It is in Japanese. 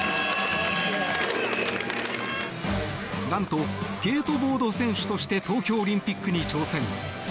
なんとスケートボード選手として東京オリンピックに挑戦。